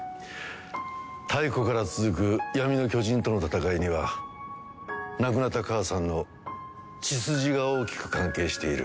太古から続く闇の巨人との戦いには亡くなった母さんの血筋が大きく関係している。